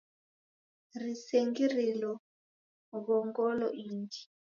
Risengirilo ghongolo ingi